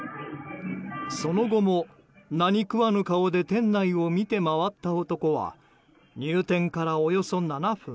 その後も何食わぬ顔で店内を見て回った男は入店からおよそ７分。